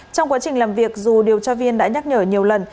trong quá trình làm việc dù điều tra viên đã nhắc nhở nhiều lần